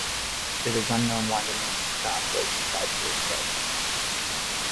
It is unknown why the name "Scott" was applied to this place.